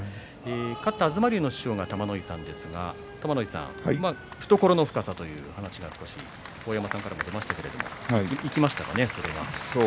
勝った東龍の師匠が玉ノ井さんですが懐の深さという話が大山さんからも出ましたけれどもそれが生きましたかね。